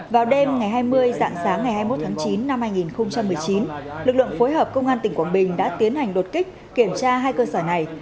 vào đêm ngày hai mươi dạng sáng ngày hai mươi một tháng chín năm hai nghìn một mươi chín lực lượng phối hợp công an tỉnh quảng bình đã tiến hành đột kích kiểm tra hai cơ sở này